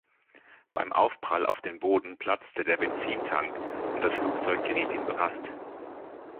Beim Aufprall auf dem Boden platzte der Benzintank und das Flugzeug geriet in Brand.